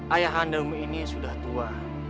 ayah anda umum ini sudah tua